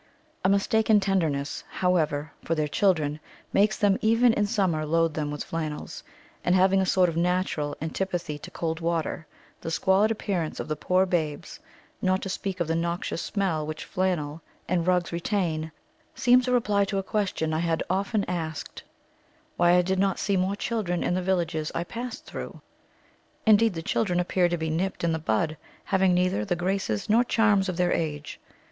A mistaken tenderness, however, for their children, makes them even in summer load them with flannels, and having a sort of natural antipathy to cold water, the squalid appearance of the poor babes, not to speak of the noxious smell which flannel and rugs retain, seems a reply to a question I had often asked Why I did not see more children in the villages I passed through? Indeed the children appear to be nipt in the bud, having neither the graces nor charms of their age.